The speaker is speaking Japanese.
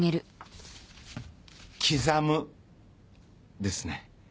「刻」ですね。